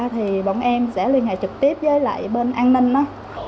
trực tiếp với lại bên an ninh đó